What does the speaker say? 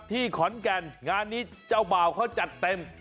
ที่ขอนแก่นงานนี้เจ้าบ่าวเขาจัดเต็ม